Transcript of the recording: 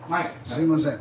すいません。